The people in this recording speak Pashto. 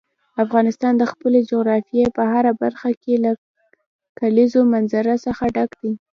افغانستان د خپلې جغرافیې په هره برخه کې له کلیزو منظره څخه ډک دی.